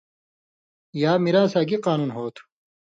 یا میراثاں گی قانون ہو تُھو